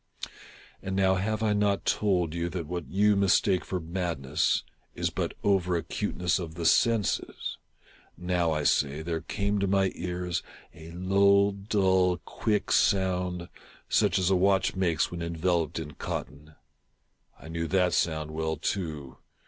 And now have I not told you that what you mistake for madness is but over acuteness of the senses ?— now, I say, there came to my ears a low, dull, quick sound, such as a watch makes when enveloped in cotton. I knew that sound well too.